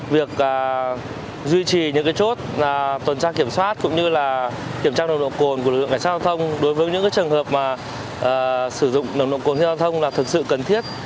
việc duy trì những chốt tuần tra kiểm soát cũng như kiểm tra nồng độ cồn của lực lượng cảnh sát giao thông đối với những trường hợp sử dụng nồng độ cồn xe giao thông là thực sự cần thiết